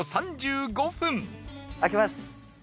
開けます。